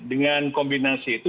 dengan kombinasi itu